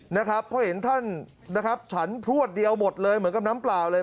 เพราะเห็นท่านฉันพรวดเดียวหมดเลยเหมือนกับน้ำเปล่าเลย